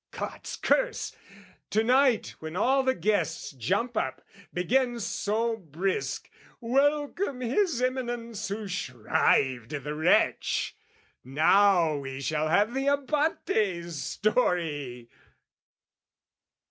God's curse!...to night When all the guests jump up, begin so brisk "Welcome, his Eminence who shrived the wretch! "Now we shall have the Abate's story!"